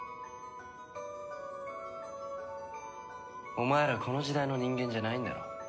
お前らこの時代の人間じゃないんだろ？